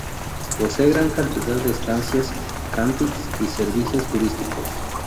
Posee gran cantidad de estancias, campings, y servicios turísticos.